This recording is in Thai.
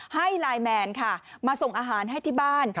ให้ไลน์แมนค่ะมาส่งอาหารให้ที่บ้าน